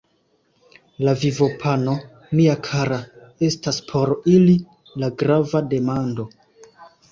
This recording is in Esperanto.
La vivopano, mia kara, estas por ili la grava demando.